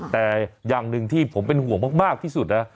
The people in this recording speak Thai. แต่อย่างหนึ่งที่ผมเป็นห่วงมากที่สุดนะ